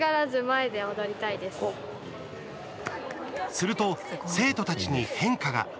すると、生徒たちに変化が。